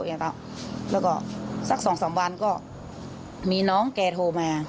อย่างเท่าแล้วก็สักสองสามวันก็มีน้องแกโทรมา